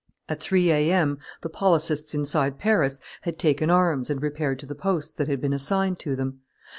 At three A. M.. the policists inside Paris had taken arms and repaired to the posts that had been assigned to them.